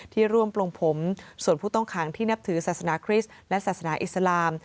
ที่ร่วมปลงผมส่วนผู้ต้องขังที่นับถือศาสนาคริสต์และศาสนาอิสลาม